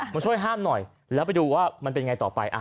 มาช่วยห้ามหน่อยแล้วไปดูว่ามันเป็นไงต่อไป